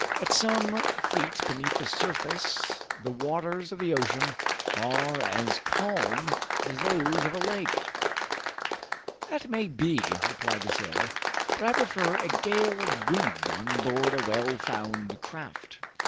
At some feet beneath the surface the waters of the ocean are as calm as those of a lake." "That may be," replied the sailor, "but I prefer a gale of wind on board a well found craft.